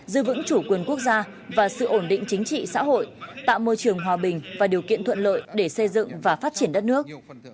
giữ vững chủ quyền quốc gia và sự ổn định chính trị xã hội tạo môi trường hòa bình và điều kiện thuận lợi để xây dựng và phát triển đất nước